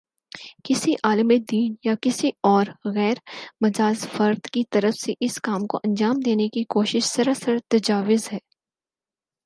کسی عالمِ دین یا کسی اور غیر مجاز فرد کی طرف سے اس کام کو انجام دینے کی کوشش سراسر تجاوز ہے